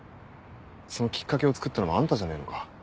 そのきっかけをつくったのはあんたじゃねえのか？